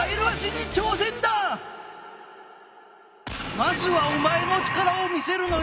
まずはおまえの力を見せるのよ！